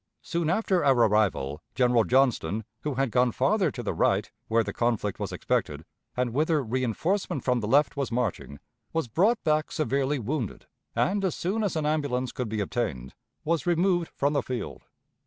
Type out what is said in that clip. Soon after our arrival, General Johnston, who had gone farther to the right, where the conflict was expected, and whither reënforcement from the left was marching, was brought back severely wounded, and, as soon as an ambulance could be obtained, was removed from the field.